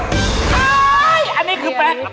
เฮ่ยอันนี้คือแป้ง